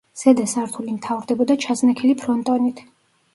ზედა სართული მთავრდებოდა ჩაზნექილი ფრონტონით.